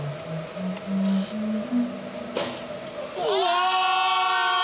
うわ！